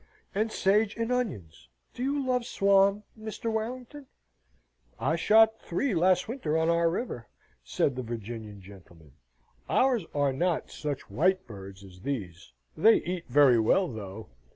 "And sage and onions. Do you love swan, Mr. Warrington?" "I shot three last winter on our river," said the Virginian gentleman. "Ours are not such white birds as these they eat very well, though."